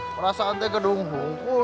perasaan tuh kedinginan